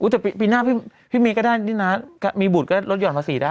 แต่ปีหน้าพี่มีก็ได้นี่นะมีบุตรก็ลดห่อนภาษีได้